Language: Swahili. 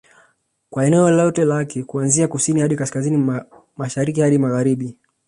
Kwa eneo lake lote kuanzia kusini hadi kaskazini na Mashariki hadi Magharibi